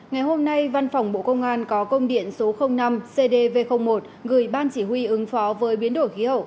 ngày hôm nay văn phòng bộ công an có công điện số năm cdv một gửi ban chỉ huy ứng phó với biến đổi khí hậu